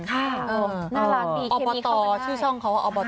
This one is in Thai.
น่ารักดีอบตชื่อช่องเขาอบต